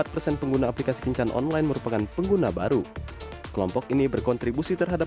empat persen pengguna aplikasi kencan online merupakan pengguna baru kelompok ini berkontribusi terhadap